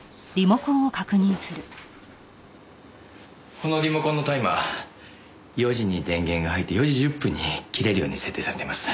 このリモコンのタイマー４時に電源が入って４時１０分に切れるように設定されています。